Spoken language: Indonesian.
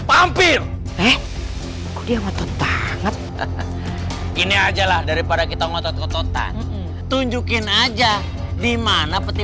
mampir eh dia ngotot banget ini ajalah daripada kita ngotot ngototan tunjukin aja dimana peti